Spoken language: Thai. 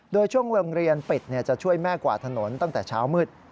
โดยช่วงโรงเรียนปิดจะช่วยแม่กวาดถนนตั้งแต่เช้ามืด